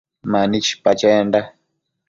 Mani chipa chenda